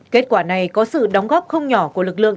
kết quả này có sự đóng góp không nhỏ của lực lượng